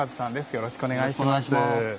よろしくお願いします。